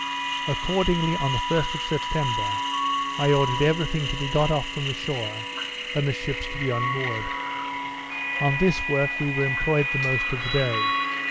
Accordingly, on the 1st of September, I ordered every thing to be got off from the shore, and the ships to be unmoored. On this work we were employed the most of the day.